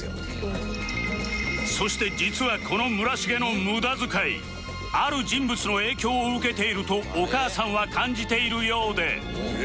そして実はこの村重のムダ遣いある人物の影響を受けているとお母さんは感じているようで